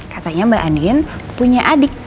katanya mbak andwin punya adik